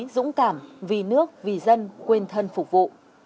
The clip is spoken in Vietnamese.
dũng cảm vì nước vì dân quên thân phục vụ